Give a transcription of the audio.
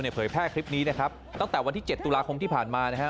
เผยแพร่คลิปนี้นะครับตั้งแต่วันที่๗ตุลาคมที่ผ่านมานะฮะ